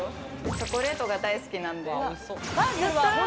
チョコレートが大好きなんで。